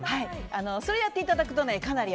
それをやっていただくと、かなり。